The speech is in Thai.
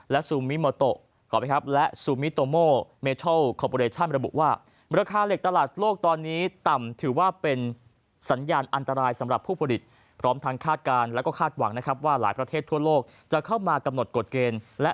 และซูมิโมโตะและซูมิโตโมเมทัลคอมพอเรชั่นระบุว่า